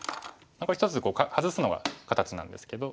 これ一つハズすのが形なんですけど。